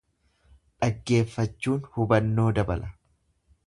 Dhaggeeffachuun hubannoo dabala.